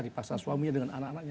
dipasang suaminya dengan anak anaknya